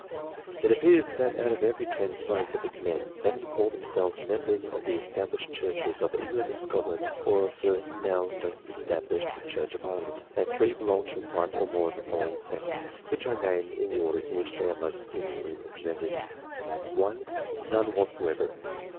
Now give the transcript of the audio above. It appears that out of every ten scientific men, seven call themselves members of the established Churches of England, Scotland, or of the now disestablished Church of Ireland, and three belong to one or more of the following sects, which I name in the order in Avhich they are most numerously represented :— 1. None whatever; 2.